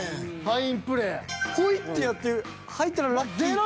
ポイッてやって入ったらラッキーっていう。